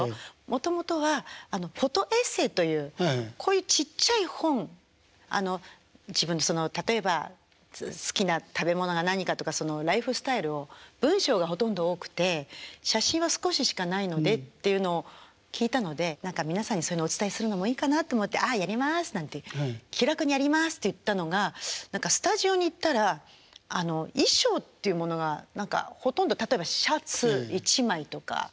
もともとはフォトエッセーというこういうちっちゃい本あの自分でその例えば好きな食べ物が何かとかそのライフスタイルを文章がほとんど多くて写真は少ししかないのでっていうのを聞いたので何か皆さんにそういうのをお伝えするのもいいかなと思って「ああやります」なんて気楽にやりますって言ったのが何かスタジオに行ったら衣装っていうものが何かほとんど例えばシャツ１枚とか。